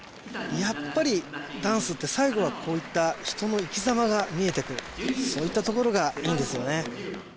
やっぱりダンスって最後はこういった人の生きざまが見えてくるそういったところがいいんですよね